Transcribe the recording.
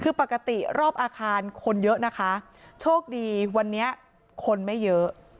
คือปกติรอบอาคารคนเยอะนะคะโชคดีวันนี้คนไม่เยอะ